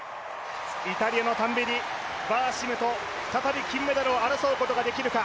イタリアのタンベリバーシムと再び金メダルを争うことができるか。